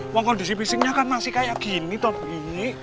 wah kondisi pisingnya kan masih kayak gini toh begini